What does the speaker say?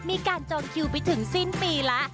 มีการจนคิวไปถึงสิ้นปีละ